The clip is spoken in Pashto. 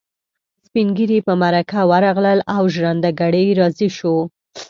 سپين ږيري په مرکه ورغلل او ژرنده ګړی راضي شو.